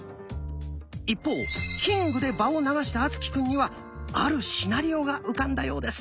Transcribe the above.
一方「キング」で場を流した敦貴くんにはあるシナリオが浮かんだようです！